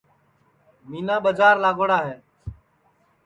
مینا ٻجار لاڳوڑا ہے